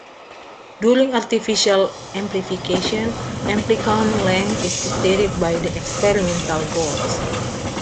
During artificial amplification, amplicon length is dictated by the experimental goals.